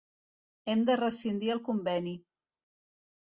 Hem de rescindir el conveni.